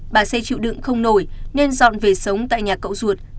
bà xê chịu đựng không nổi nên dọn về sống tại nhà cậu ruột